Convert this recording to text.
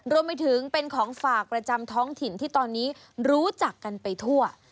รวมไปถึงเป็นของฝากประจำท้องถิ่นที่ตอนนี้รู้จักกันไปทั่ว